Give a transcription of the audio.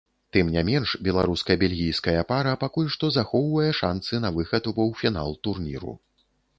Тым не менш, беларуска-бельгійская пара пакуль што захоўвае шанцы на выхад у паўфінал турніру.